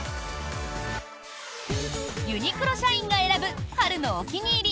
ユニクロ社員が選ぶ春のお気に入り